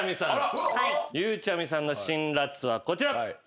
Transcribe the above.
ゆうちゃみさんの辛辣はこちら。